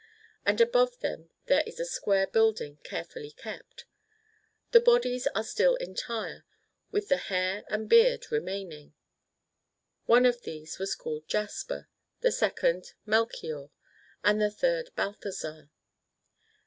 And above them there is a square building, carefully kept. The bodies are still entire, with the hair and beard remaining. One of these was called Jaspar, the second Melchior, and the third Balthasar.